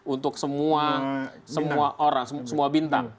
untuk semua orang semua bintang